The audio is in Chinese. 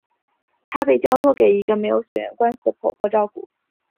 他被交托给一个没血缘关系的婆婆照顾。